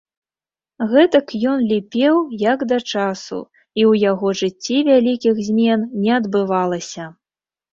Гэтак ён ліпеў як да часу, і ў яго жыцці вялікіх змен не адбывалася.